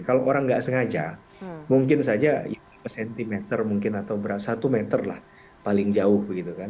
kalau orang nggak sengaja mungkin saja itu satu meter lah paling jauh begitu kan